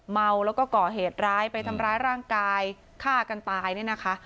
เมาแล้วก็ก่อเหตุร้ายไปทำร้ายร่างกายฆ่ากันตายเนี่ยนะคะ